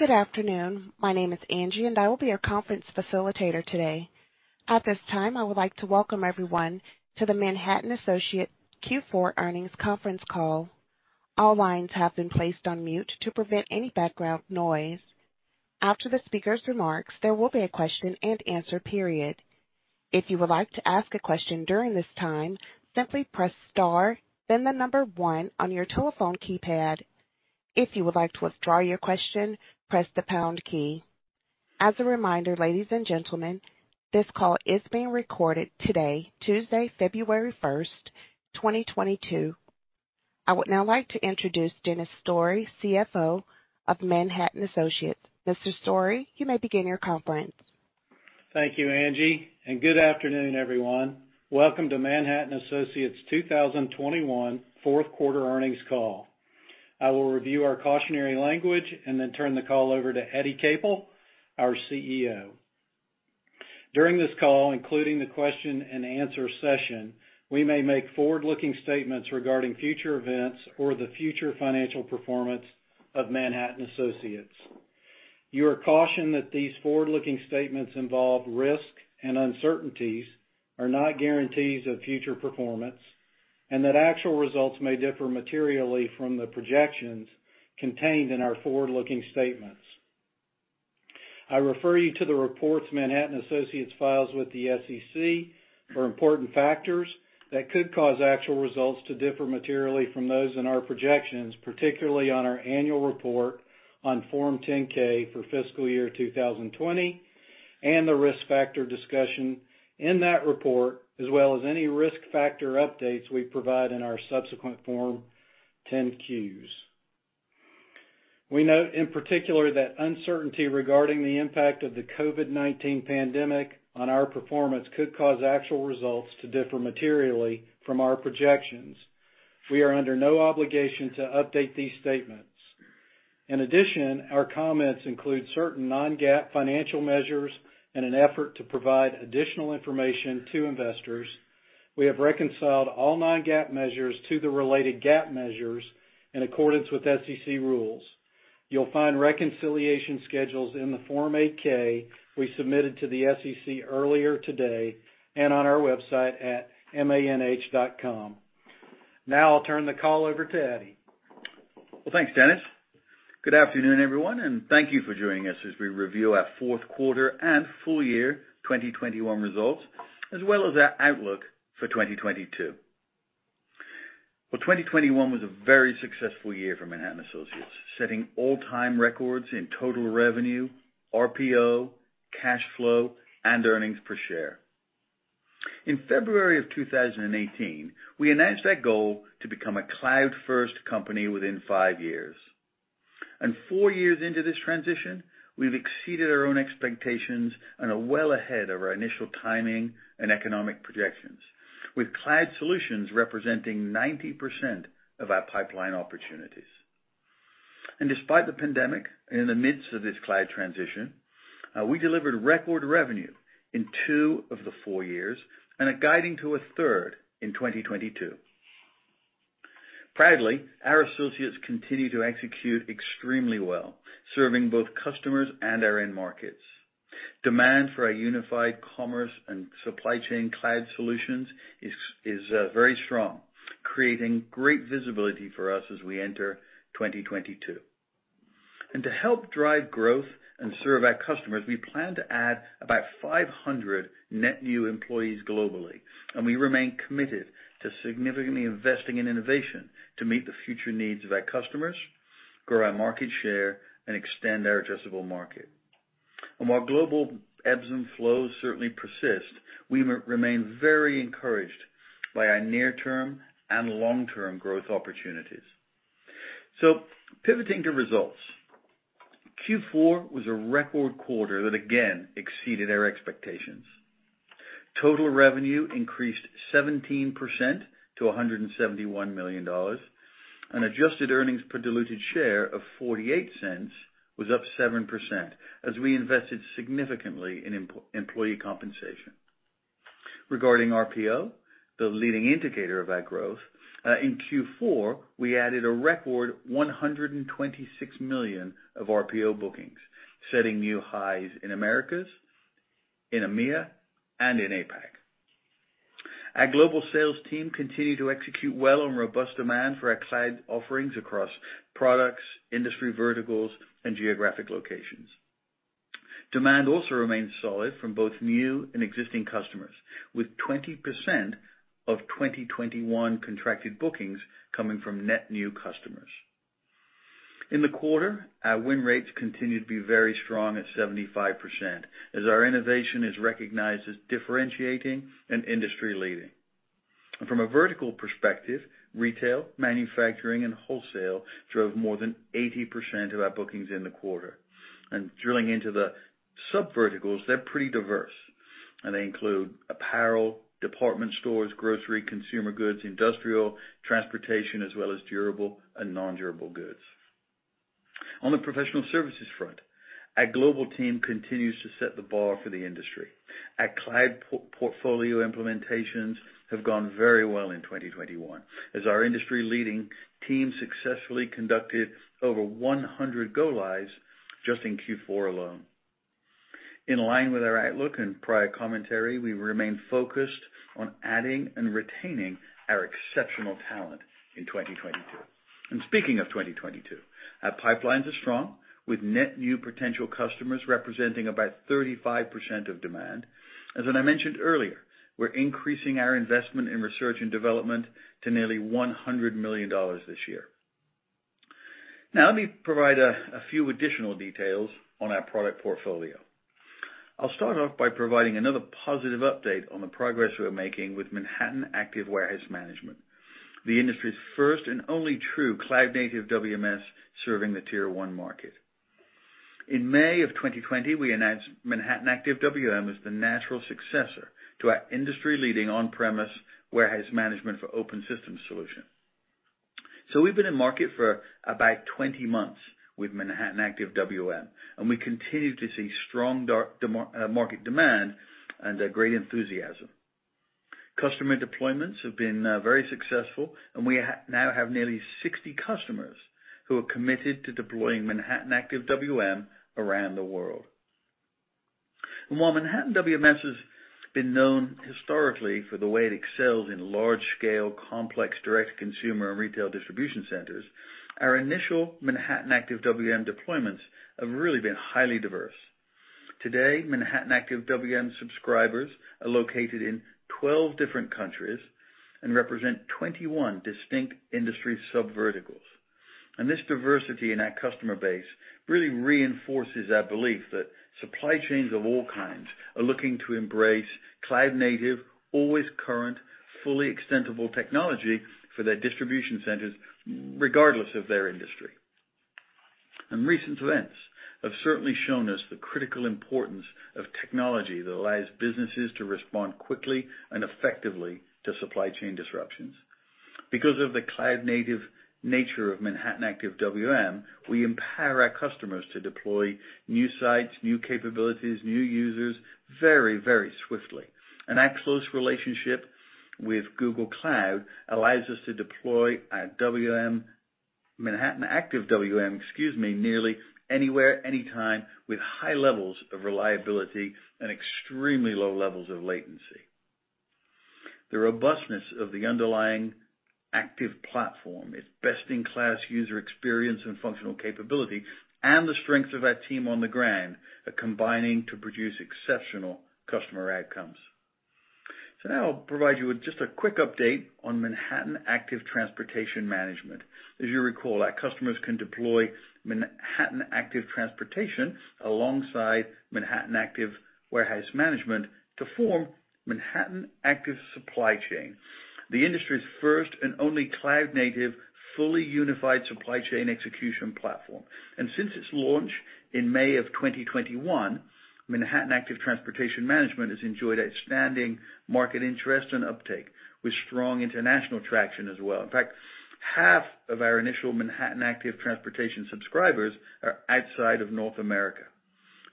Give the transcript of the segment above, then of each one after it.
Good afternoon. My name is Angie, and I will be your conference facilitator today. At this time, I would like to welcome everyone to the Manhattan Associates Q4 earnings conference call. All lines have been placed on mute to prevent any background noise. After the speaker's remarks, there will be a question-and-answer period. If you would like to ask a question during this time, simply press star, then the number one on your telephone keypad. If you would like to withdraw your question, press the pound key. As a reminder, ladies and gentlemen, this call is being recorded today, Tuesday, February 1st, 2022. I would now like to introduce Dennis Story, CFO of Manhattan Associates. Mr. Story, you may begin your conference. Thank you, Angie, and good afternoon, everyone. Welcome to Manhattan Associates 2021 fourth quarter earnings call. I will review our cautionary language and then turn the call over to Eddie Capel, our CEO. During this call, including the question-and-answer session, we may make forward-looking statements regarding future events or the future financial performance of Manhattan Associates. You are cautioned that these forward-looking statements involve risks and uncertainties, are not guarantees of future performance, and that actual results may differ materially from the projections contained in our forward-looking statements. I refer you to the reports Manhattan Associates files with the SEC for important factors that could cause actual results to differ materially from those in our projections, particularly on our annual report on Form 10-K for fiscal year 2020 and the risk factor discussion in that report, as well as any risk factor updates we provide in our subsequent Form 10-Qs. We note in particular that uncertainty regarding the impact of the COVID-19 pandemic on our performance could cause actual results to differ materially from our projections. We are under no obligation to update these statements. In addition, our comments include certain non-GAAP financial measures. In an effort to provide additional information to investors, we have reconciled all non-GAAP measures to the related GAAP measures in accordance with SEC rules. You'll find reconciliation schedules in the Form 8-K we submitted to the SEC earlier today and on our website at manh.com. Now I'll turn the call over to Eddie. Well, thanks, Dennis. Good afternoon, everyone, and thank you for joining us as we review our fourth quarter and full year 2021 results, as well as our outlook for 2022. Well, 2021 was a very successful year for Manhattan Associates, setting all-time records in total revenue, RPO, cash flow, and earnings per share. In February of 2018, we announced our goal to become a cloud-first company within five years. Four years into this transition, we've exceeded our own expectations and are well ahead of our initial timing and economic projections, with cloud solutions representing 90% of our pipeline opportunities. Despite the pandemic, in the midst of this cloud transition, we delivered record revenue in two of the four years and are guiding to a third in 2022. Proudly, our associates continue to execute extremely well, serving both customers and our end markets. Demand for our unified commerce and supply chain cloud solutions is very strong, creating great visibility for us as we enter 2022. To help drive growth and serve our customers, we plan to add about 500 net new employees globally, and we remain committed to significantly investing in innovation to meet the future needs of our customers, grow our market share, and extend our addressable market. While global ebbs and flows certainly persist, we remain very encouraged by our near-term and long-term growth opportunities. Pivoting to results. Q4 was a record quarter that again exceeded our expectations. Total revenue increased 17% to $171 million. Adjusted earnings per diluted share of $0.48 was up 7% as we invested significantly in employee compensation. Regarding RPO, the leading indicator of our growth, in Q4, we added a record $126 million of RPO bookings, setting new highs in Americas, in EMEA, and in APAC. Our global sales team continued to execute well on robust demand for our cloud offerings across products, industry verticals, and geographic locations. Demand also remains solid from both new and existing customers, with 20% of 2021 contracted bookings coming from net new customers. In the quarter, our win rates continued to be very strong at 75% as our innovation is recognized as differentiating and industry-leading. From a vertical perspective, retail, manufacturing, and wholesale drove more than 80% of our bookings in the quarter. Drilling into the sub-verticals, they're pretty diverse, and they include apparel, department stores, grocery, consumer goods, industrial, transportation, as well as durable and non-durable goods. On the professional services front, our global team continues to set the bar for the industry. Our cloud portfolio implementations have gone very well in 2021, as our industry-leading team successfully conducted over 100 go lives just in Q4 alone. In line with our outlook and prior commentary, we remain focused on adding and retaining our exceptional talent in 2022. Speaking of 2022, our pipelines are strong, with net new potential customers representing about 35% of demand. As I mentioned earlier, we're increasing our investment in research and development to nearly $100 million this year. Now let me provide a few additional details on our product portfolio. I'll start off by providing another positive update on the progress we are making with Manhattan Active Warehouse Management, the industry's first and only true cloud-native WMS serving the tier one market. In May of 2020, we announced Manhattan Active WM as the natural successor to our industry-leading on-premise warehouse management for open systems solution. We've been in market for about 20 months with Manhattan Active WM, and we continue to see strong market demand and great enthusiasm. Customer deployments have been very successful, and we now have nearly 60 customers who are committed to deploying Manhattan Active WM around the world. While Manhattan WMS has been known historically for the way it excels in large-scale, complex direct consumer and retail distribution centers, our initial Manhattan Active WM deployments have really been highly diverse. Today, Manhattan Active WM subscribers are located in 12 different countries and represent 21 distinct industry subverticals. This diversity in our customer base really reinforces our belief that supply chains of all kinds are looking to embrace cloud native, always current, fully extensible technology for their distribution centers regardless of their industry. Recent events have certainly shown us the critical importance of technology that allows businesses to respond quickly and effectively to supply chain disruptions. Because of the cloud native nature of Manhattan Active WM, we empower our customers to deploy new sites, new capabilities, new users very, very swiftly. Our close relationship with Google Cloud allows us to deploy Manhattan Active WM nearly anywhere, anytime with high levels of reliability and extremely low levels of latency. The robustness of the underlying Active platform, its best-in-class user experience and functional capability, and the strength of our team on the ground are combining to produce exceptional customer outcomes. Now I'll provide you with just a quick update on Manhattan Active Transportation Management. As you recall, our customers can deploy Manhattan Active Transportation alongside Manhattan Active Warehouse Management to form Manhattan Active Supply Chain, the industry's first and only cloud-native, fully unified supply chain execution platform. Since its launch in May 2021, Manhattan Active Transportation Management has enjoyed outstanding market interest and uptake with strong international traction as well. In fact, half of our initial Manhattan Active Transportation subscribers are outside of North America,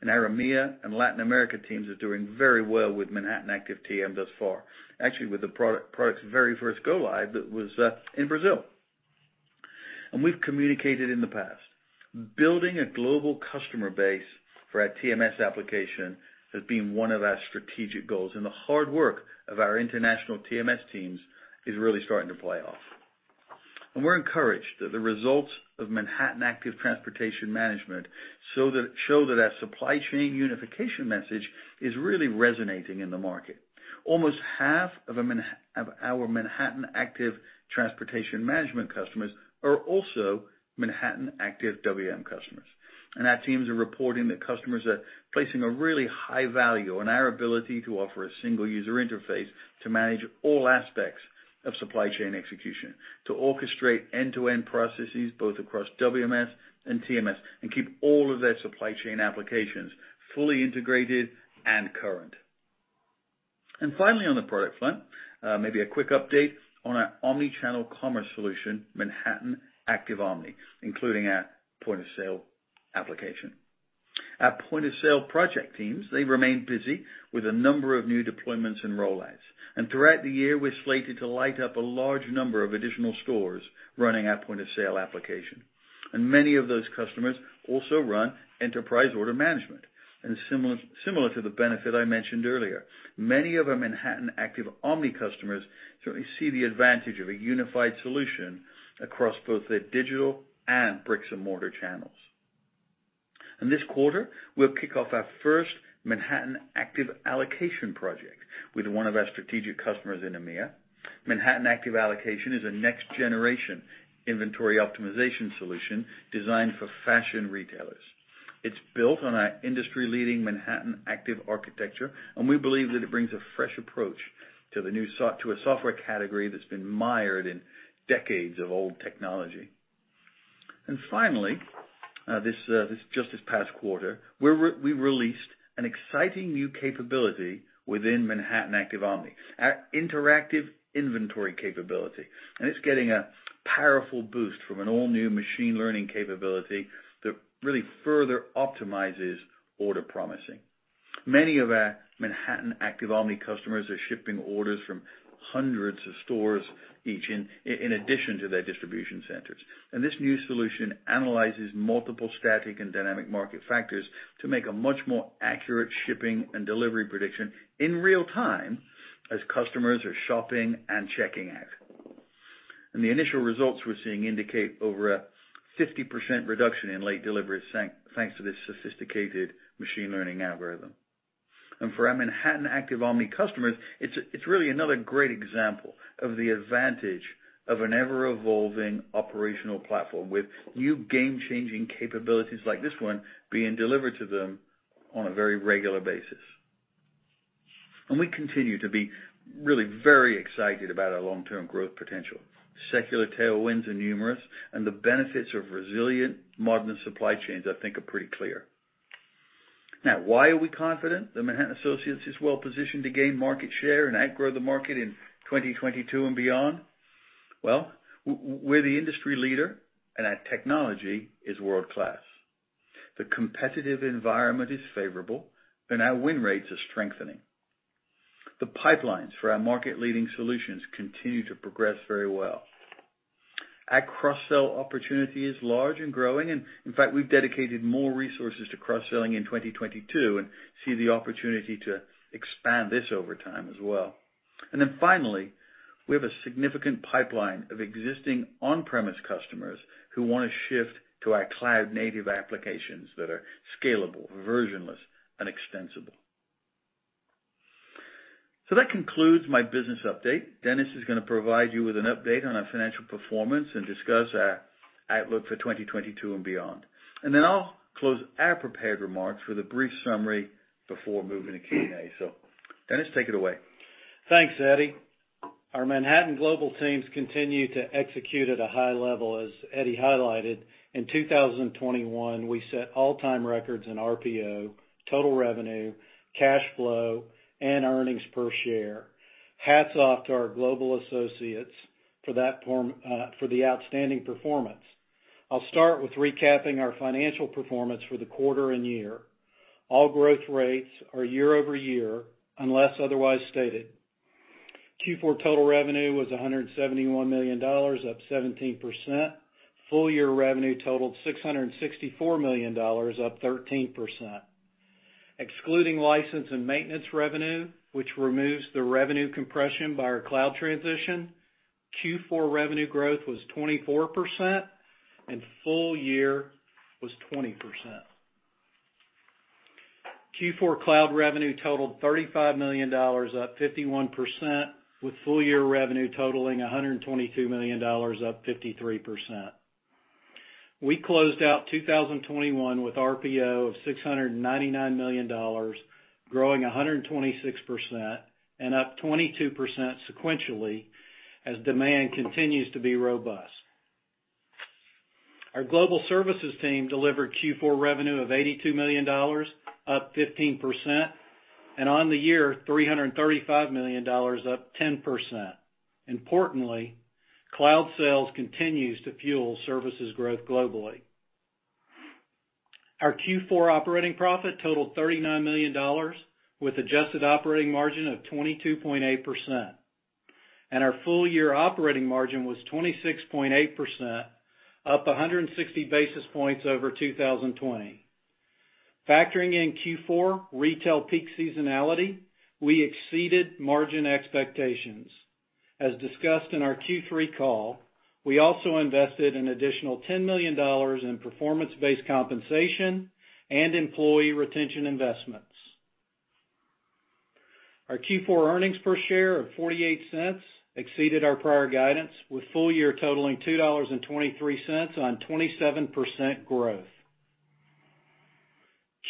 and our EMEA and Latin America teams are doing very well with Manhattan Active TM thus far, actually with the product's very first go live that was in Brazil. We've communicated in the past, building a global customer base for our TMS application has been one of our strategic goals, and the hard work of our international TMS teams is really starting to play off. We're encouraged that the results of Manhattan Active Transportation Management show that our supply chain unification message is really resonating in the market. Almost half of our Manhattan Active Transportation Management customers are also Manhattan Active WM customers. Our teams are reporting that customers are placing a really high value on our ability to offer a single user interface to manage all aspects of supply chain execution, to orchestrate end-to-end processes, both across WMS and TMS, and keep all of their supply chain applications fully integrated and current. Finally, on the product front, maybe a quick update on our omnichannel commerce solution, Manhattan Active Omni, including our point-of-sale application. Our point-of-sale project teams, they remain busy with a number of new deployments and rollouts. Throughout the year, we're slated to light up a large number of additional stores running our point-of-sale application. Many of those customers also run Enterprise Order Management. Similar to the benefit I mentioned earlier, many of our Manhattan Active Omni customers certainly see the advantage of a unified solution across both their digital and brick-and-mortar channels. In this quarter, we'll kick off our first Manhattan Active Allocation project with one of our strategic customers in EMEA. Manhattan Active Allocation is a next-generation inventory optimization solution designed for fashion retailers. It's built on our industry-leading Manhattan Active architecture, and we believe that it brings a fresh approach to a software category that's been mired in decades of old technology. Finally, just this past quarter, we released an exciting new capability within Manhattan Active Omni, our Interactive Inventory capability, and it's getting a powerful boost from an all-new machine learning capability that really further optimizes order promising. Many of our Manhattan Active Omni customers are shipping orders from hundreds of stores each in addition to their distribution centers. This new solution analyzes multiple static and dynamic market factors to make a much more accurate shipping and delivery prediction in real time as customers are shopping and checking out. The initial results we're seeing indicate over a 50% reduction in late deliveries, thanks to this sophisticated machine learning algorithm. For our Manhattan Active Omni customers, it's really another great example of the advantage of an ever-evolving operational platform with new game-changing capabilities like this one being delivered to them on a very regular basis. We continue to be really very excited about our long-term growth potential. Secular tailwinds are numerous, and the benefits of resilient modern supply chains, I think are pretty clear. Now, why are we confident that Manhattan Associates is well-positioned to gain market share and outgrow the market in 2022 and beyond? Well, we're the industry leader, and our technology is world-class. The competitive environment is favorable, and our win rates are strengthening. The pipelines for our market-leading solutions continue to progress very well. Our cross-sell opportunity is large and growing, and in fact, we've dedicated more resources to cross-selling in 2022 and see the opportunity to expand this over time as well. Then finally, we have a significant pipeline of existing on-premise customers who want to shift to our cloud-native applications that are scalable, versionless, and extensible. That concludes my business update. Dennis is going to provide you with an update on our financial performance and discuss our outlook for 2022 and beyond. Then I'll close our prepared remarks with a brief summary before moving to Q&A. Dennis, take it away. Thanks, Eddie. Our Manhattan global teams continue to execute at a high level, as Eddie highlighted. In 2021, we set all-time records in RPO, total revenue, cash flow, and earnings per share. Hats off to our global associates for the outstanding performance. I'll start with recapping our financial performance for the quarter and year. All growth rates are year-over-year, unless otherwise stated. Q4 total revenue was $171 million, up 17%. Full year revenue totaled $664 million, up 13%. Excluding license and maintenance revenue, which removes the revenue compression by our cloud transition, Q4 revenue growth was 24%, and full year was 20%. Q4 cloud revenue totaled $35 million, up 51%, with full year revenue totaling $122 million, up 53%. We closed out 2021 with RPO of $699 million, growing 126% and up 22% sequentially as demand continues to be robust. Our global services team delivered Q4 revenue of $82 million, up 15%, and on the year, $335 million, up 10%. Importantly, cloud sales continues to fuel services growth globally. Our Q4 operating profit totaled $39 million, with adjusted operating margin of 22.8%, and our full year operating margin was 26.8%, up 160 basis points over 2020. Factoring in Q4 retail peak seasonality, we exceeded margin expectations. As discussed in our Q3 call, we also invested an additional $10 million in performance-based compensation and employee retention investments. Our Q4 earnings per share of $0.48 exceeded our prior guidance, with full year totaling $2.23 on 27% growth.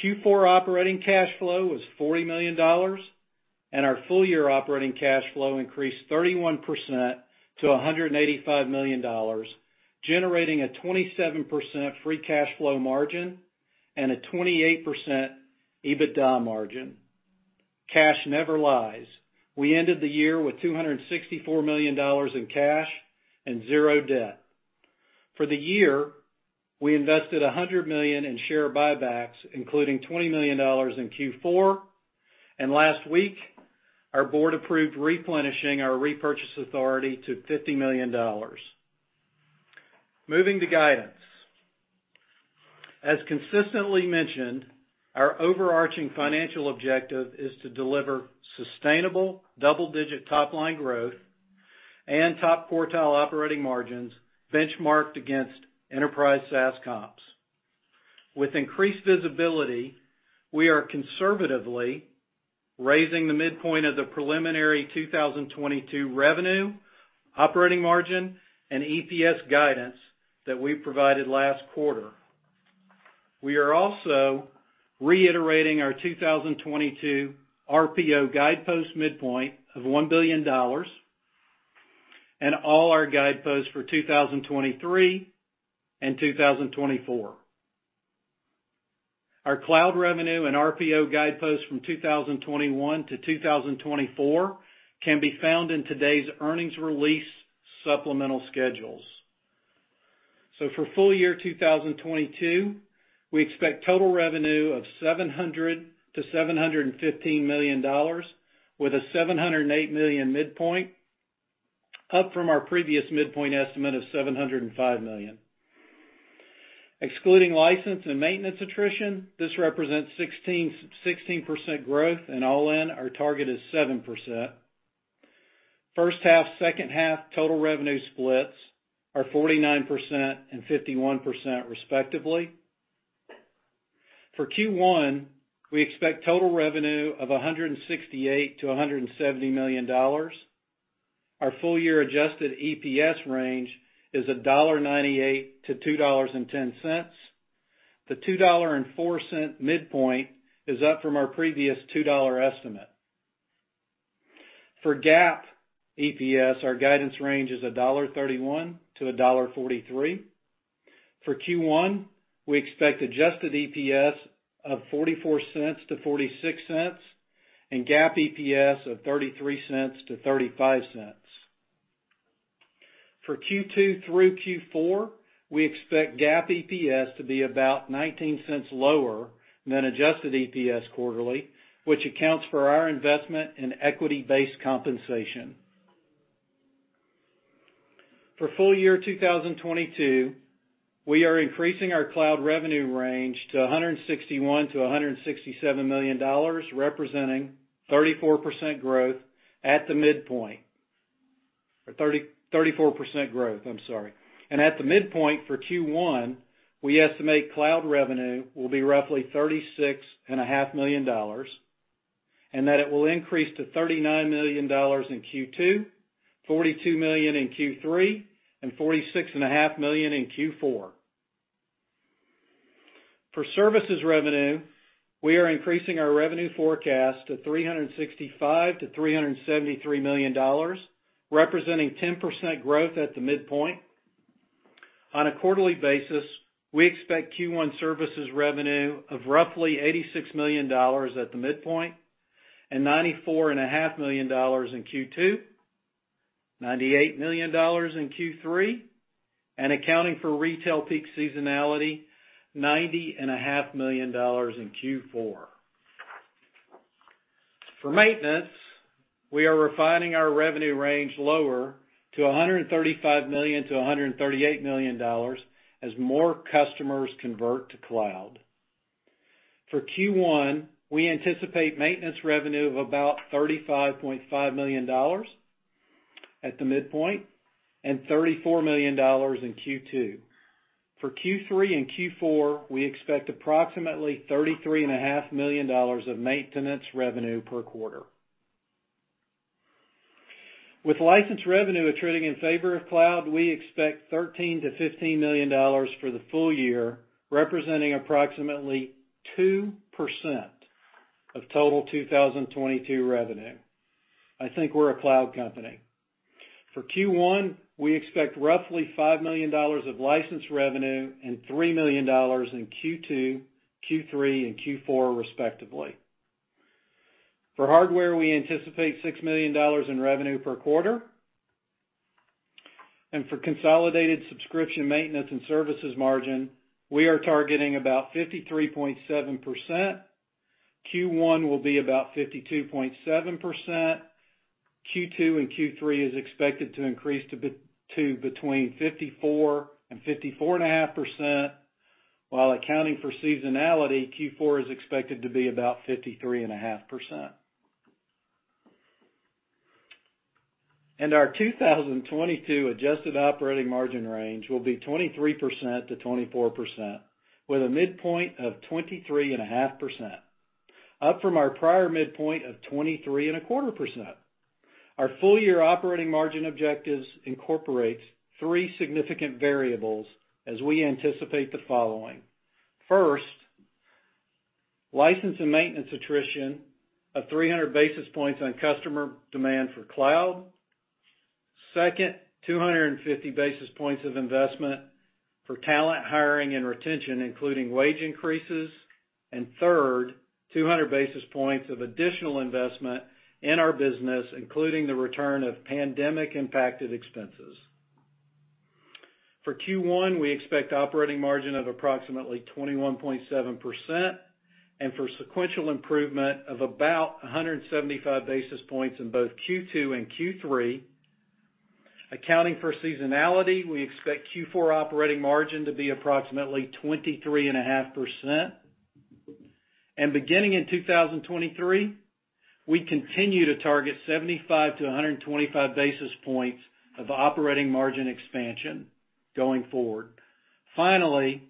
Q4 operating cash flow was $40 million, and our full year operating cash flow increased 31% to $185 million, generating a 27% free cash flow margin and a 28% EBITDA margin. Cash never lies. We ended the year with $264 million in cash and zero debt. For the year, we invested $100 million in share buybacks, including $20 million in Q4. Last week, our board approved replenishing our repurchase authority to $50 million. Moving to guidance. As consistently mentioned, our overarching financial objective is to deliver sustainable double-digit top-line growth and top quartile operating margins benchmarked against enterprise SaaS comps. With increased visibility, we are conservatively raising the midpoint of the preliminary 2022 revenue, operating margin, and EPS guidance that we provided last quarter. We are also reiterating our 2022 RPO guidepost midpoint of $1 billion and all our guideposts for 2023 and 2024. Our cloud revenue and RPO guideposts from 2021 to 2024 can be found in today's earnings release supplemental schedules. For full year 2022, we expect total revenue of $700 million-$715 million with a $708 million midpoint, up from our previous midpoint estimate of $705 million. Excluding license and maintenance attrition, this represents 16% growth, and all in, our target is 7%. First half, second half total revenue splits are 49% and 51% respectively. For Q1, we expect total revenue of $168 million-$170 million. Our full year adjusted EPS range is $1.98-$2.10. The $2.04 midpoint is up from our previous $2.00 estimate. For GAAP EPS, our guidance range is $1.31-$1.43. For Q1, we expect adjusted EPS of $0.44-$0.46 and GAAP EPS of $0.33-$0.35. For Q2 through Q4, we expect GAAP EPS to be about $0.19 lower than adjusted EPS quarterly, which accounts for our investment in equity-based compensation. For full year 2022, we are increasing our cloud revenue range to $161 million-$167 million, representing 34% growth at the midpoint. 34% growth, I'm sorry. At the midpoint for Q1, we estimate cloud revenue will be roughly $36.5 million, and that it will increase to $39 million in Q2, $42 million in Q3, and $46 and a half million in Q4. For services revenue, we are increasing our revenue forecast to $365 million-$373 million, representing 10% growth at the midpoint. On a quarterly basis, we expect Q1 services revenue of roughly $86 million at the midpoint and $94.5 million in Q2, $98 million in Q3, and accounting for retail peak seasonality, $90.5 million in Q4. For maintenance, we are refining our revenue range lower to $135 million-$138 million as more customers convert to cloud. For Q1, we anticipate maintenance revenue of about $35.5 million at the midpoint and $34 million in Q2. For Q3 and Q4, we expect approximately $33.5 million of maintenance revenue per quarter. With license revenue attriting in favor of cloud, we expect $13 million-$15 million for the full year, representing approximately 2% of total 2022 revenue. I think we're a cloud company. For Q1, we expect roughly $5 million of license revenue and $3 million in Q2, Q3, and Q4, respectively. For hardware, we anticipate $6 million in revenue per quarter. For consolidated subscription maintenance and services margin, we are targeting about 53.7%. Q1 will be about 52.7%. Q2 and Q3 is expected to increase to between 54% and 54.5%. While accounting for seasonality, Q4 is expected to be about 53.5%. Our 2022 adjusted operating margin range will be 23%-24% with a midpoint of 23.5%, up from our prior midpoint of 23.25%. Our full year operating margin objectives incorporates three significant variables as we anticipate the following. First, license and maintenance attrition of 300 basis points on customer demand for cloud. Second, 250 basis points of investment for talent hiring and retention, including wage increases. Third, 200 basis points of additional investment in our business, including the return of pandemic-impacted expenses. For Q1, we expect operating margin of approximately 21.7%, and for sequential improvement of about 175 basis points in both Q2 and Q3. Accounting for seasonality, we expect Q4 operating margin to be approximately 23.5%. Beginning in 2023, we continue to target 75-125 basis points of operating margin expansion going forward. Finally,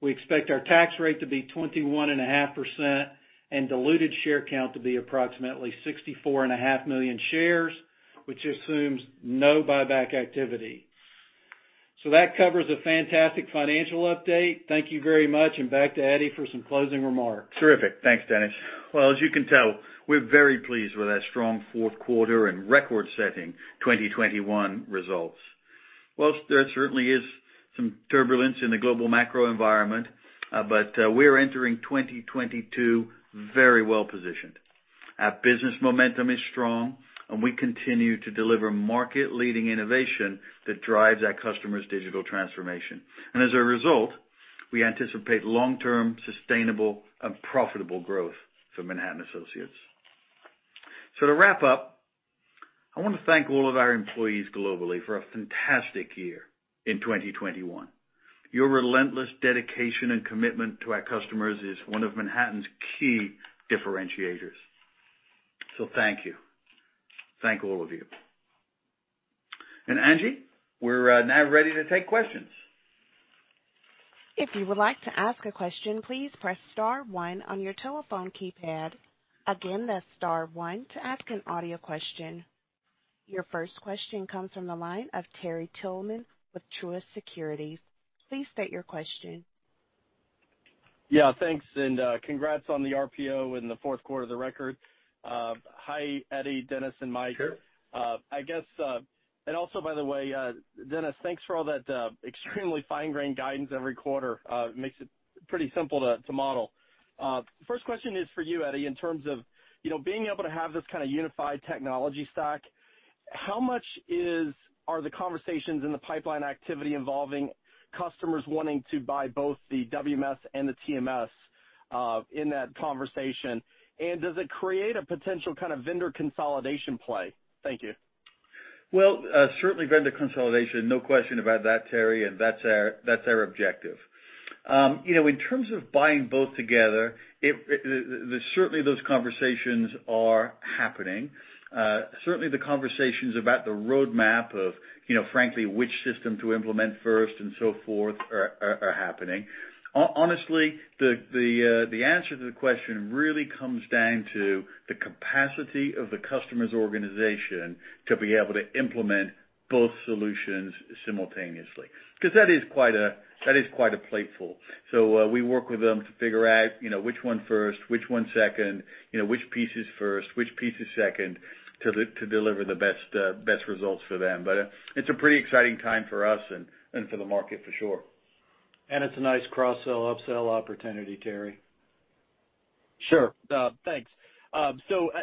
we expect our tax rate to be 21.5% and diluted share count to be approximately 64.5 million shares, which assumes no buyback activity. That covers a fantastic financial update. Thank you very much, and back to Eddie for some closing remarks. Terrific. Thanks, Dennis. Well, as you can tell, we're very pleased with our strong fourth quarter and record-setting 2021 results. While there certainly is some turbulence in the global macro environment, we are entering 2022 very well positioned. Our business momentum is strong, and we continue to deliver market leading innovation that drives our customers' digital transformation. As a result, we anticipate long-term sustainable and profitable growth for Manhattan Associates. To wrap up, I want to thank all of our employees globally for a fantastic year in 2021. Your relentless dedication and commitment to our customers is one of Manhattan's key differentiators. Thank you. Thank all of you. Angie, we're now ready to take questions. If you would like to ask a question, please press star one on your telephone keypad. Again, that's star one to ask an audio question. Your first question comes from the line of Terry Tillman with Truist Securities. Please state your question. Yeah, thanks, and congrats on the record RPO in the fourth quarter. Hi, Eddie, Dennis, and [ Mike]. Sure. I guess also, by the way, Dennis, thanks for all that extremely fine-grained guidance every quarter. It makes it pretty simple to model. First question is for you, Eddie, in terms of, you know, being able to have this kind of unified technology stack, how much are the conversations in the pipeline activity involving customers wanting to buy both the WMS and the TMS in that conversation? Does it create a potential kind of vendor consolidation play? Thank you. Well, certainly vendor consolidation. No question about that, Terry, and that's our objective. You know, in terms of buying both together, certainly those conversations are happening. Certainly the conversations about the roadmap of, you know, frankly, which system to implement first and so forth are happening. Honestly, the answer to the question really comes down to the capacity of the customer's organization to be able to implement both solutions simultaneously, because that is quite a plateful. We work with them to figure out, you know, which one first, which one second, you know, which piece is first, which piece is second to deliver the best results for them. It's a pretty exciting time for us and for the market for sure. It's a nice cross-sell, upsell opportunity, Terry. Sure. Thanks.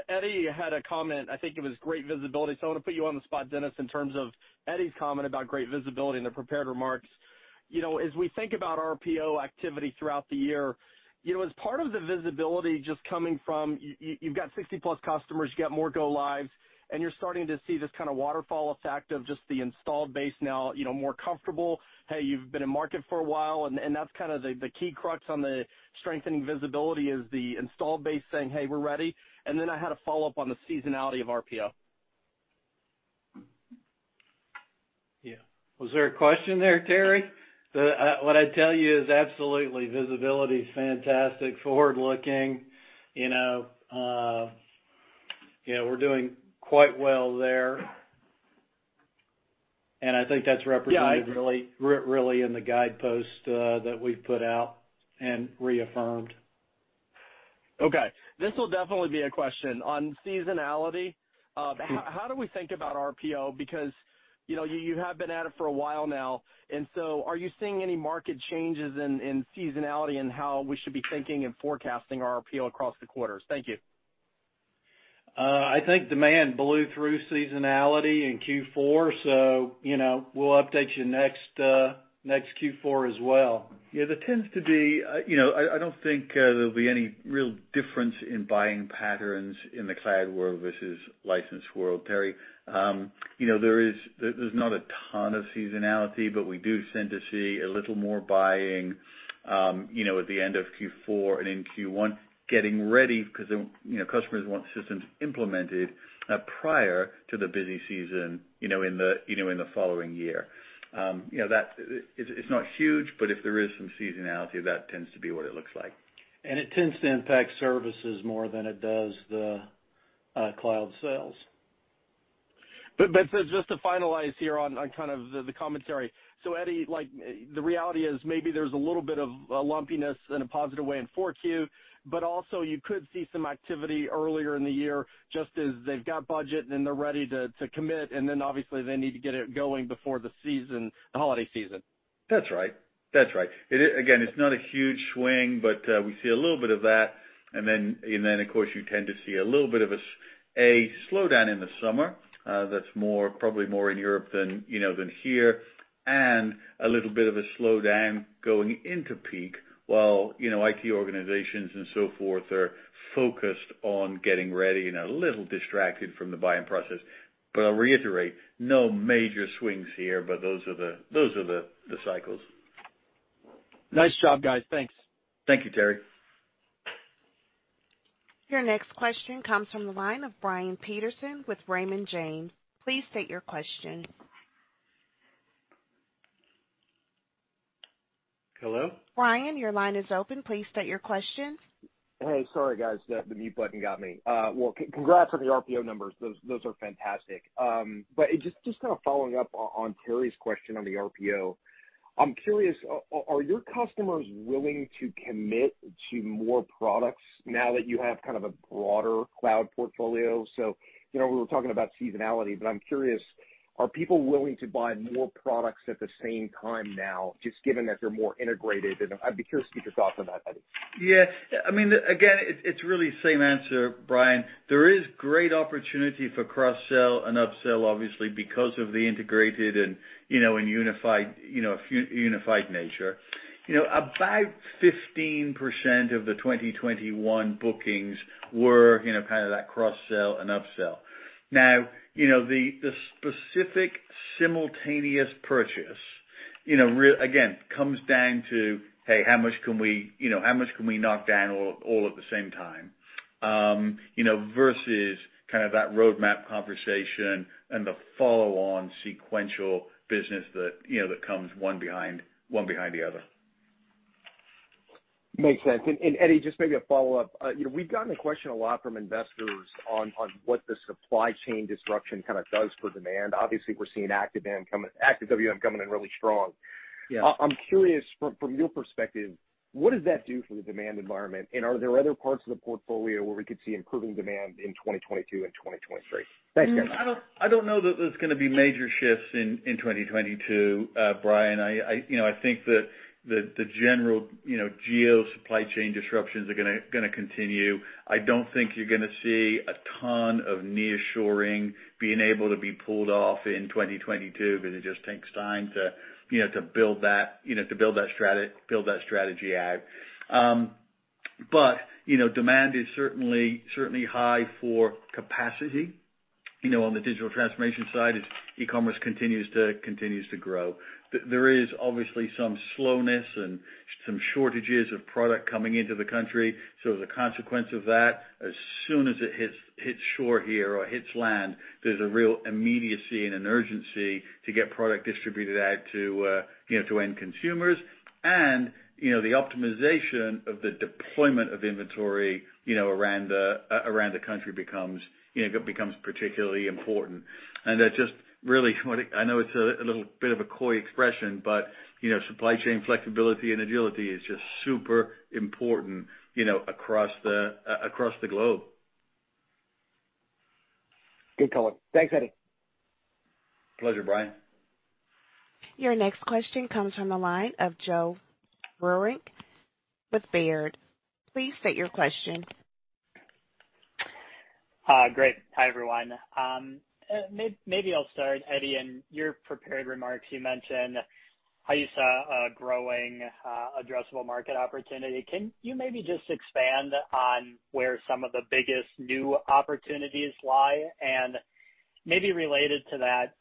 Eddie had a comment. I think it was great visibility. I want to put you on the spot, Dennis, in terms of Eddie's comment about great visibility in the prepared remarks. You know, as we think about RPO activity throughout the year, you know, as part of the visibility just coming from you've got 60+ customers, you've got more go lives, and you're starting to see this kind of waterfall effect of just the installed base now, you know, more comfortable. Hey, you've been in market for a while, and that's kind of the key crux on the strengthening visibility is the installed base saying, "Hey, we're ready." Then I had a follow-up on the seasonality of RPO. Yeah. Was there a question there, Terry? What I'd tell you is absolutely, visibility is fantastic, forward-looking. You know, yeah, we're doing quite well there. I think that's represented. Yeah. Really in the guidepost that we've put out and reaffirmed. Okay. This will definitely be a question. On seasonality. Hmm How do we think about RPO? Because, you know, you have been at it for a while now, and so are you seeing any market changes in seasonality and how we should be thinking and forecasting our RPO across the quarters? Thank you. I think demand blew through seasonality in Q4, so, you know, we'll update you next Q4 as well. Yeah, there tends to be. You know, I don't think there'll be any real difference in buying patterns in the cloud world versus licensed world, Terry. You know, there's not a ton of seasonality, but we do tend to see a little more buying, you know, at the end of Q4 and in Q1, getting ready because, you know, customers want systems implemented prior to the busy season, you know, in the following year. You know, that's not huge, but if there is some seasonality, that tends to be what it looks like. It tends to impact services more than it does the cloud sales. Just to finalize here on kind of the commentary. Eddie, like, the reality is maybe there's a little bit of a lumpiness in a positive way in 4Q, but also you could see some activity earlier in the year, just as they've got budget and they're ready to commit, and then obviously they need to get it going before the season, the holiday season. That's right. It again, it's not a huge swing, but we see a little bit of that. Then, of course, you tend to see a little bit of a slowdown in the summer, that's more, probably more in Europe than, you know, than here, and a little bit of a slowdown going into peak while, you know, IT organizations and so forth are focused on getting ready and a little distracted from the buying process. I'll reiterate, no major swings here, but those are the cycles. Nice job, guys. Thanks. Thank you, Terry. Your next question comes from the line of Brian Peterson with Raymond James. Please state your question. Hello? Brian, your line is open. Please state your question. Hey, sorry guys, the mute button got me. Congrats on the RPO numbers. Those are fantastic. Just kind of following up on Terry's question on the RPO. I'm curious, are your customers willing to commit to more products now that you have kind of a broader cloud portfolio? You know, we were talking about seasonality, but I'm curious, are people willing to buy more products at the same time now, just given that they're more integrated? I'd be curious for your thoughts on that, Eddie. Yeah. I mean, again, it's really the same answer, Brian. There is great opportunity for cross-sell and upsell, obviously, because of the integrated and unified nature. You know, about 15% of the 2021 bookings were kind of that cross-sell and upsell. Now, the specific simultaneous purchase really, again, comes down to, hey, how much can we knock down all at the same time versus kind of that roadmap conversation and the follow on sequential business that comes one behind the other. Makes sense. Eddie, just maybe a follow-up. You know, we've gotten a question a lot from investors on what the supply chain disruption kind of does for demand. Obviously, we're seeing Active WM coming in really strong. Yeah. I'm curious from your perspective, what does that do for the demand environment? Are there other parts of the portfolio where we could see improving demand in 2022 and 2023? Thanks, guys. I don't know that there's gonna be major shifts in 2022, Brian. I think that the general geo supply chain disruptions are gonna continue. I don't think you're gonna see a ton of nearshoring being able to be pulled off in 2022 because it just takes time to build that strategy out. You know, demand is certainly high for capacity on the digital transformation side as e-commerce continues to grow. There is obviously some slowness and some shortages of product coming into the country. As a consequence of that, as soon as it hits shore here or hits land, there's a real immediacy and an urgency to get product distributed out to, you know, to end consumers. You know, the optimization of the deployment of inventory, you know, around around the country becomes, you know, becomes particularly important. That's just really what it. I know it's a little bit of a coy expression, but, you know, supply chain flexibility and agility is just super important, you know, across the across the globe. Good color. Thanks, Eddie. Pleasure, Brian. Your next question comes from the line of Joe Vruwink with Baird. Please state your question. Great. Hi, everyone. Maybe I'll start, Eddie. In your prepared remarks, you mentioned how you saw a growing addressable market opportunity. Can you maybe just expand on where some of the biggest new opportunities lie? Maybe related to that,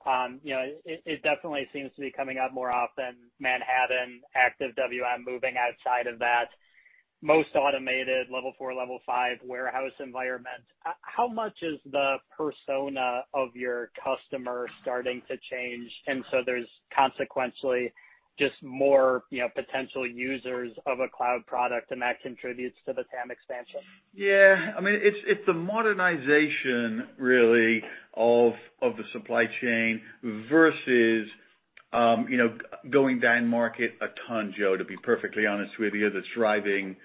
you know, it definitely seems to be coming up more often, Manhattan Active WM moving outside of that most automated level four, level five warehouse environment. How much is the persona of your customer starting to change? There's consequentially just more, you know, potential users of a cloud product, and that contributes to the TAM expansion. Yeah. I mean, it's the modernization really of the supply chain versus, you know, going down market a ton, Joe, to be perfectly honest with you, that's driving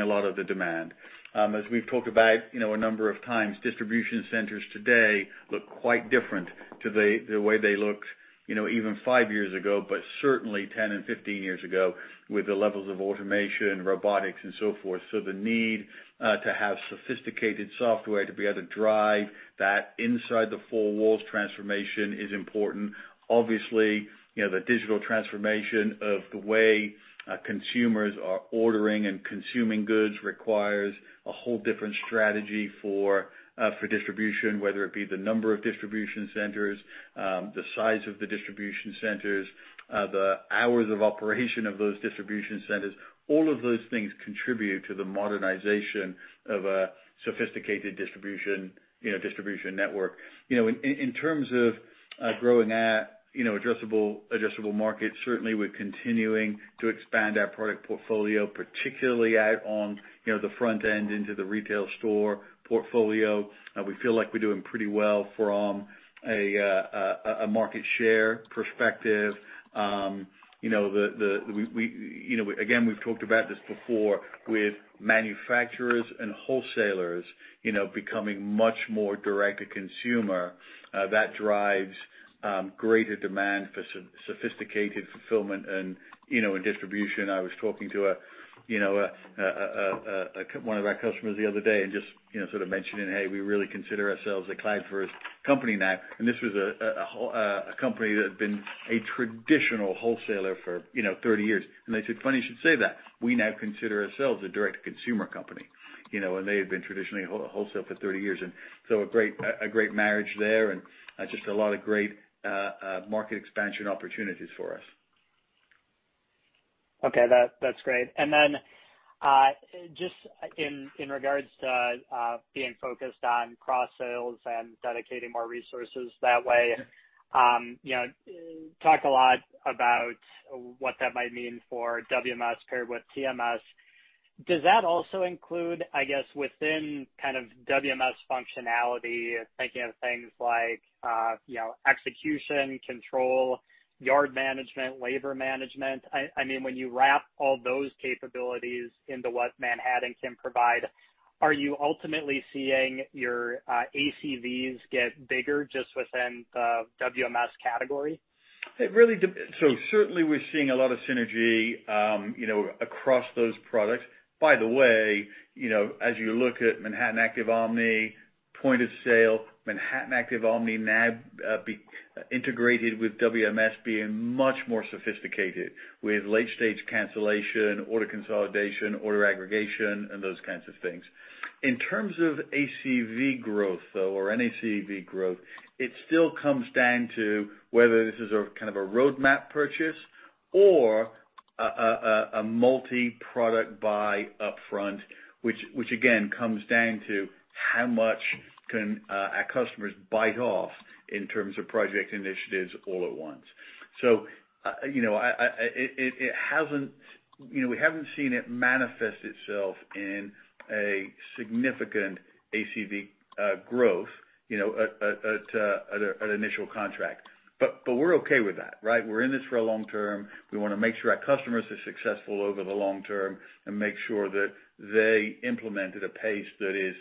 a lot of the demand. As we've talked about, you know, a number of times, distribution centers today look quite different to the way they looked, you know, even five years ago, but certainly 10 and 15 years ago with the levels of automation, robotics and so forth. The need to have sophisticated software to be able to drive that inside the four walls transformation is important. Obviously, you know, the digital transformation of the way consumers are ordering and consuming goods requires a whole different strategy for distribution, whether it be the number of distribution centers, the size of the distribution centers, the hours of operation of those distribution centers. All of those things contribute to the modernization of a sophisticated distribution, you know, distribution network. You know, in terms of growing our addressable markets, certainly we're continuing to expand our product portfolio, particularly out on, you know, the front end into the retail store portfolio. We feel like we're doing pretty well from a market share perspective. You know, we, you know, again, we've talked about this before with manufacturers and wholesalers, you know, becoming much more direct to consumer. That drives greater demand for sophisticated fulfillment and, you know, and distribution. I was talking to a you know, one of our customers the other day and just, you know, sort of mentioning, "Hey, we really consider ourselves a cloud-first company now." This was a company that had been a traditional wholesaler for, you know, 30 years. They said, "Funny you should say that. We now consider ourselves a direct-to-consumer company." You know, and they had been traditionally a wholesaler for 30 years. A great marriage there and just a lot of great market expansion opportunities for us. That's great. Just in regards to being focused on cross sales and dedicating more resources that way, talk a lot about what that might mean for WMS paired with TMS. Does that also include, I guess, within kind of WMS functionality, thinking of things like execution control, yard management, labor management? I mean, when you wrap all those capabilities into what Manhattan can provide, are you ultimately seeing your ACVs get bigger just within the WMS category? Certainly we're seeing a lot of synergy, you know, across those products. By the way, you know, as you look at Manhattan Active Omni, point of sale, Manhattan Active Omni now be integrated with WMS being much more sophisticated with late stage cancellation, order consolidation, order aggregation, and those kinds of things. In terms of ACV growth, though, or NACV growth, it still comes down to whether this is a kind of a roadmap purchase or a multi-product buy upfront, which again comes down to how much can our customers bite off in terms of project initiatives all at once. You know, we haven't seen it manifest itself in a significant ACV growth, you know, at an initial contract. We're okay with that, right? We're in this for a long term. We wanna make sure our customers are successful over the long term and make sure that they implement at a pace that is,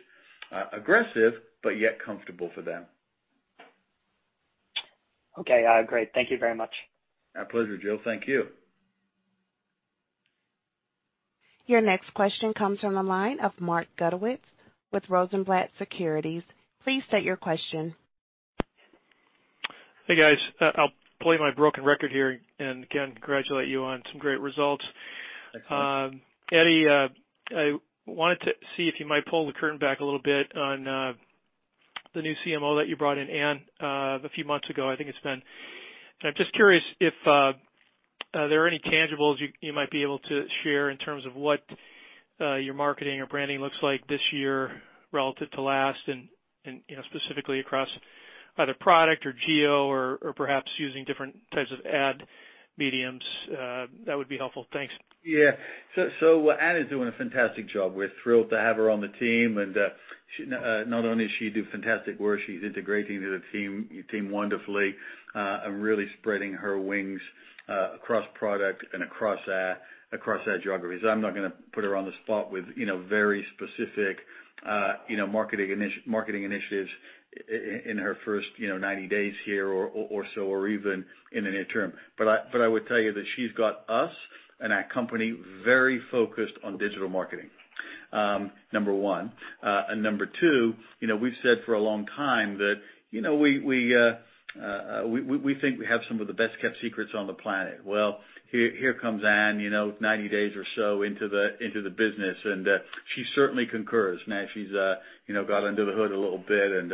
aggressive but yet comfortable for them. Okay. Great. Thank you very much. My pleasure, Joe. Thank you. Your next question comes from the line of Mark Zgutowicz with Rosenblatt Securities. Please state your question. Hey, guys. I'll play my broken record here and again congratulate you on some great results. Thanks, Mark. Eddie, I wanted to see if you might pull the curtain back a little bit on the new CMO that you brought in, Ann, a few months ago, I think it's been. I'm just curious if there are any tangibles you might be able to share in terms of what your marketing or branding looks like this year relative to last and, you know, specifically across either product or geo or perhaps using different types of ad mediums? That would be helpful. Thanks. Yeah. Ann is doing a fantastic job. We're thrilled to have her on the team, and she not only does she do fantastic work, she's integrating to the team wonderfully, and really spreading her wings across product and across our geographies. I'm not gonna put her on the spot with, you know, very specific, you know, marketing initiatives in her first, you know, 90 days here or so or even in the near term. I would tell you that she's got us and our company very focused on digital marketing, number one. Number two, you know, we've said for a long time that, you know, we think we have some of the best-kept secrets on the planet. Well, here comes Ann, you know, 90 days or so into the business, and she certainly concurs. Now she's, you know, got under the hood a little bit and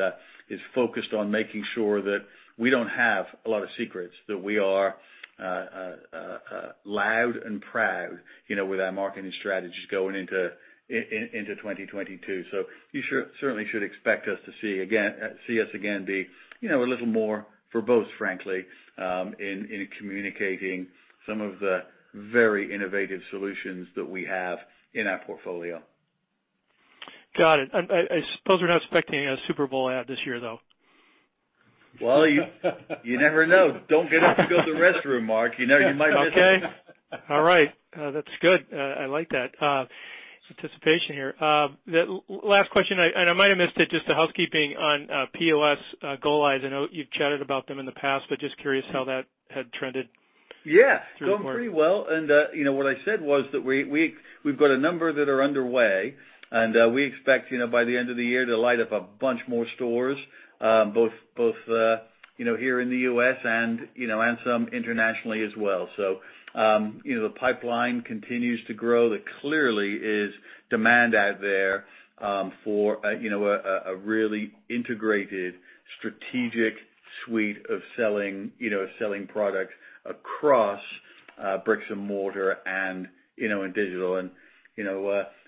is focused on making sure that we don't have a lot of secrets, that we are loud and proud, you know, with our marketing strategies going into 2022. You should certainly expect us to see us again be, you know, a little more verbose, frankly, in communicating some of the very innovative solutions that we have in our portfolio. Got it. I suppose we're not expecting a Super Bowl ad this year, though. Well, you never know. Don't get up to go to the restroom, Mark. You know, you might miss it. Okay. All right. That's good. I like that anticipation here. The last question, and I might have missed it, just the housekeeping on POS goals. I know you've chatted about them in the past, but just curious how that had trended. Yeah. Going pretty well. What I said was that we've got a number that are underway, and we expect, you know, by the end of the year to light up a bunch more stores, both here in the U.S. and some internationally as well. The pipeline continues to grow. There clearly is demand out there for a really integrated strategic suite of selling products across bricks and mortar and in digital.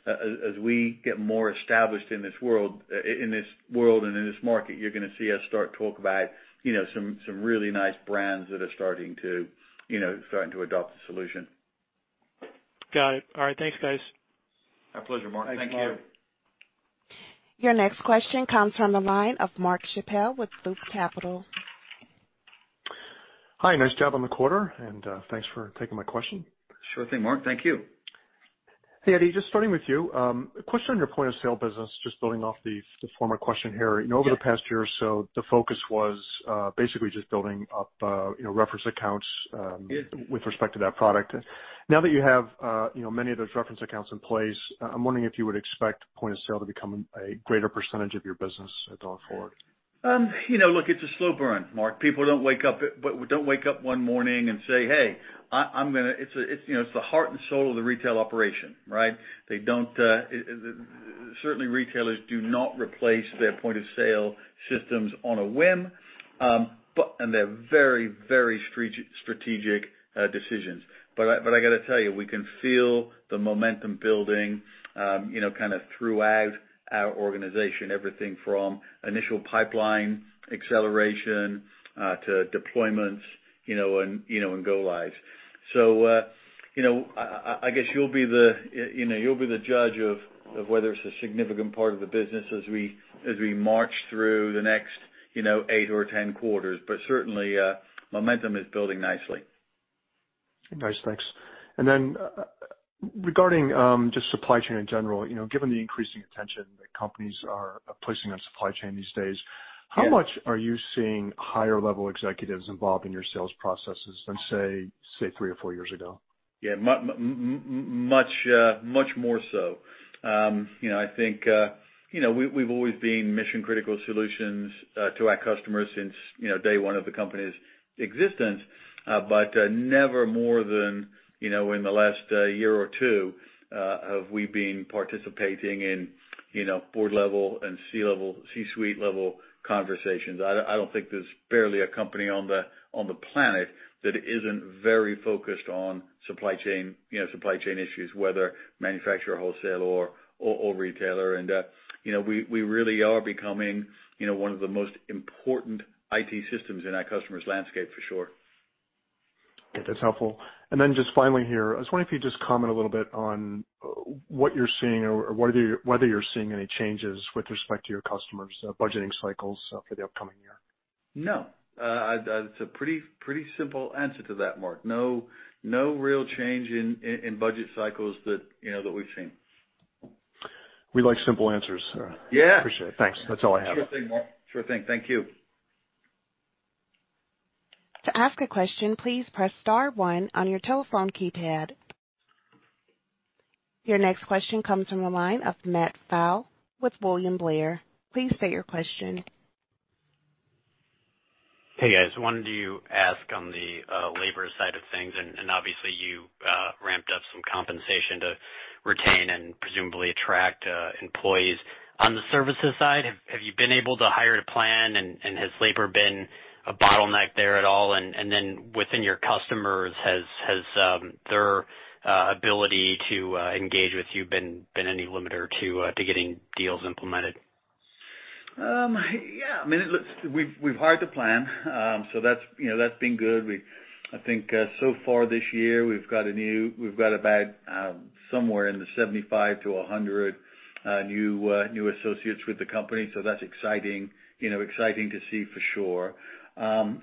As we get more established in this world and in this market, you're gonna see us start to talk about some really nice brands that are starting to adopt the solution. Got it. All right. Thanks, guys. My pleasure, Mark. Thank you. Your next question comes from the line of Mark Schappel with Loop Capital. Hi. Nice job on the quarter, and, thanks for taking my question. Sure thing, Mark. Thank you. Hey, Eddie, just starting with you. A question on your point of sale business, just building off the former question here. You know, over the past year or so, the focus was basically just building up you know reference accounts with respect to that product. Now that you have you know many of those reference accounts in place, I'm wondering if you would expect point of sale to become a greater percentage of your business going forward. You know, look, it's a slow burn, Mark. People don't wake up one morning and say it's the heart and soul of the retail operation, right? They certainly do not replace their point of sale systems on a whim. But they're very strategic decisions. But I gotta tell you, we can feel the momentum building, you know, kind of throughout our organization. Everything from initial pipeline acceleration to deployments, you know, and go lives. You know, I guess you'll be the judge of whether it's a significant part of the business as we march through the next, you know, eight or 10 quarters. Certainly, momentum is building nicely. Nice. Thanks. Regarding just supply chain in general, you know, given the increasing attention that companies are placing on supply chain these days. Yeah. How much are you seeing higher level executives involved in your sales processes than, say, three or four years ago? Yeah. Much more so. You know, I think you know, we've always been mission-critical solutions to our customers since you know, day one of the company's existence. Never more than you know, in the last year or two, have we been participating in you know, board level and C-level, C-suite level conversations. I don't think there's barely a company on the planet that isn't very focused on supply chain you know, supply chain issues, whether manufacturer, wholesale or retailer. You know, we really are becoming you know, one of the most important IT systems in our customer's landscape for sure. That's helpful. Just finally here, I was wondering if you'd just comment a little bit on what you're seeing or whether you're seeing any changes with respect to your customers' budgeting cycles for the upcoming year. No. It's a pretty simple answer to that, Mark. No real change in budget cycles that, you know, that we've seen. We like simple answers. Yeah. Appreciate it. Thanks. That's all I have. Sure thing, Mark. Sure thing. Thank you. To ask a question, please press star one on your telephone keypad. Your next question comes from the line of Matt Pfau with William Blair. Please state your question. Hey, guys. Wanted to ask on the labor side of things, and obviously you ramped up some compensation to retain and presumably attract employees. On the services side, have you been able to hire to plan, and has labor been a bottleneck there at all? Within your customers, has their ability to engage with you been any limiter to getting deals implemented? Yeah, I mean, it looks like we've hired to plan. That's been good. I think so far this year, we've got about somewhere in the 75-100 new associates with the company. That's exciting to see for sure.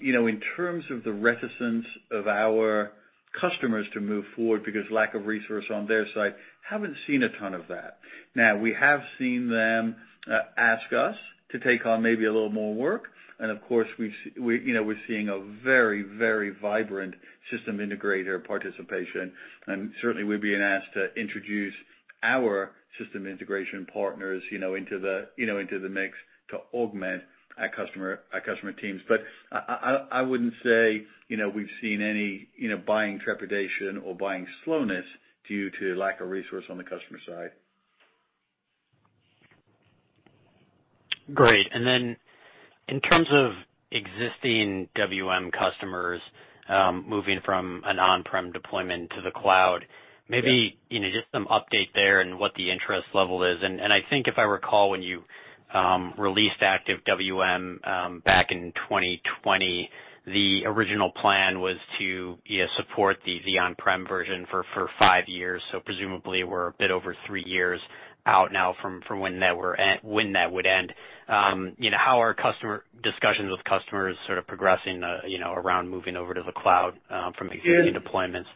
You know, in terms of the reticence of our customers to move forward because lack of resource on their side, haven't seen a ton of that. Now, we have seen them ask us to take on maybe a little more work. Of course, you know, we're seeing a very vibrant system integrator participation. Certainly we're being asked to introduce our system integration partners, you know, into the mix to augment our customer teams. I wouldn't say, you know, we've seen any, you know, buying trepidation or buying slowness due to lack of resource on the customer side. Great. In terms of existing WM customers, moving from an on-prem deployment to the cloud. Yeah. Maybe, you know, just some update there and what the interest level is. I think if I recall when you released Active WM back in 2020, the original plan was to, you know, support the on-prem version for five years. Presumably we're a bit over three years out now from when that would end. You know, how are customer discussions with customers sort of progressing, you know, around moving over to the cloud from existing deployments?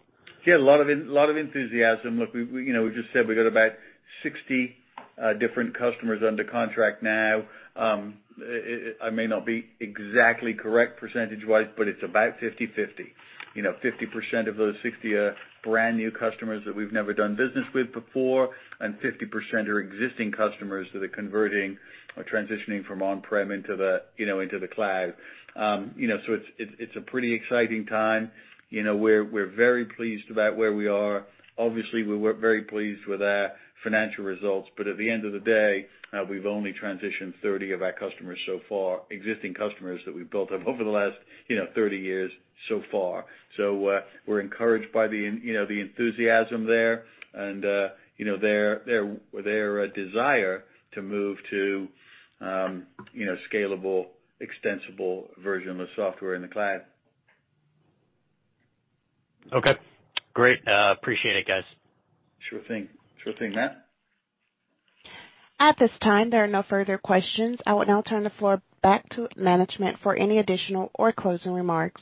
Yeah, a lot of enthusiasm. Look, we, you know, we just said we've got about 60 different customers under contract now. I may not be exactly correct percentage-wise, but it's about 50/50. You know, 50% of those 60 are brand new customers that we've never done business with before, and 50% are existing customers that are converting or transitioning from on-prem into the, you know, into the cloud. You know, so it's a pretty exciting time. You know, we're very pleased about where we are. Obviously, we weren't very pleased with our financial results, but at the end of the day, we've only transitioned 30 of our customers so far, existing customers that we've built up over the last, you know, 30 years so far. We're encouraged by the enthusiasm there and, you know, their desire to move to, you know, scalable, extensible version of the software in the cloud. Okay, great. Appreciate it, guys. Sure thing, Matt. At this time, there are no further questions. I will now turn the floor back to management for any additional or closing remarks.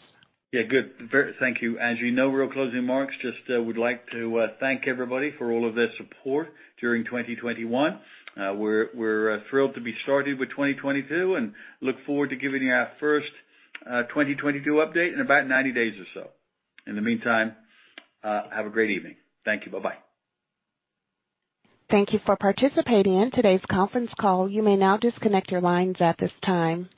Thank you, Angie. No real closing remarks. Just would like to thank everybody for all of their support during 2021. We're thrilled to be starting with 2022 and look forward to giving you our first 2022 update in about 90 days or so. In the meantime, have a great evening. Thank you. Bye-bye. Thank you for participating in today's conference call. You may now disconnect your lines at this time.